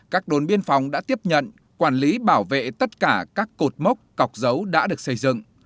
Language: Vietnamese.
các đồn biên phòng đã tiếp nhận quản lý bảo vệ tất cả các cột mốc cọc dấu đã được xây dựng